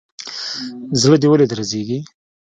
زړه دي ولي درزيږي.